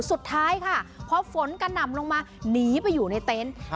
สุดท้ายค่ะพอฝนกระหน่ำลงมาหนีไปอยู่ในเต็นต์